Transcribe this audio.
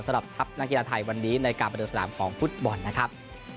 สำหรับทัพนักกีฬาไทยวันนี้ในการประเดิมสนามของฟุตบอลนะครับ